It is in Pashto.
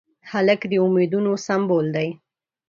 هلک د امیدونو سمبول دی.